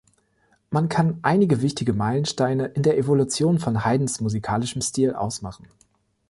Man kann einige wichtige Meilensteine in der Evolution von Haydns musikalischem Stil ausmachen.